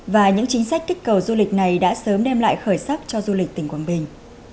và những chính sách kích cầu du lịch này đã sớm đem lại khởi sắc cho du lịch tỉnh quảng bình